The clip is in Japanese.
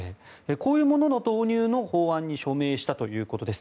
こういうものの導入の法案に署名したということです。